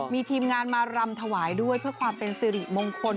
มีทีมงานมารำถวายด้วยเพื่อความเป็นสิริมงคล